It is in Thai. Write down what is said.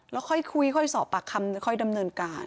แล้วค่อยคุยค่อยสอบปากคำค่อยดำเนินการ